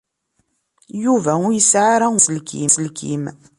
Yuba ur yesɛi ara ula d aselkim.